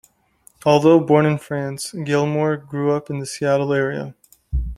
Although born in France, Gilmore grew up in the Seattle area.